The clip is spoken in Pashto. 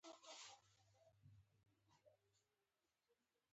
بېنډۍ د وجود سلامت ساتي